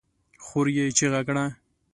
خور يې چيغه کړه!